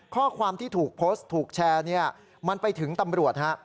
ข้อความที่ถูกโพสต์ถูกแชร์เนี่ยมันไปถึงตำรวจฮะ